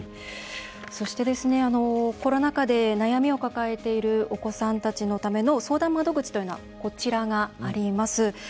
そして、コロナ禍で悩みを抱えているお子さんたちのための相談窓口というのはこちらがあります。